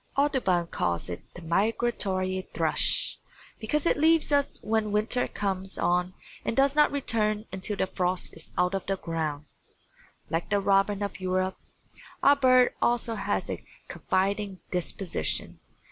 Audubon calls it the Migratory Thrush, because it leaves us when winter comes on and does not return until the frost is out of the ground. Like the robin of Europe, our bird also has a confiding disposition.